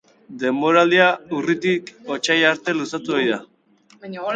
Denboraldia urritik otsaila arte luzatu ohi da.